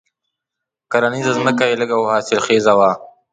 کرنيزه ځمکه یې لږه خو حاصل خېزه ده.